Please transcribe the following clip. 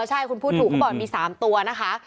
ใช่คุณพูดถูกเขาบอกมี๓ตัวนะคะ